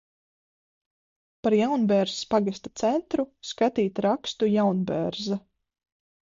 Par Jaunbērzes pagasta centru skatīt rakstu Jaunbērze.